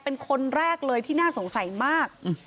เป็นคนแรกเลยที่น่าสงสัยมาก